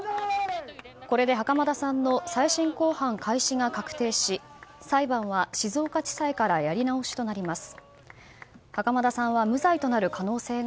これで袴田さんの再審公判開始が確定し裁判は静岡地裁からやり直しとなります。